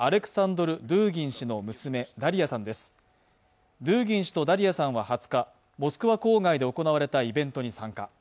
ドゥーギン氏とダリヤさんは２０日、モスクワ郊外で行われたイベントに参加。